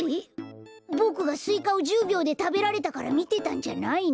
ボクがスイカを１０びょうでたべられたからみてたんじゃないの？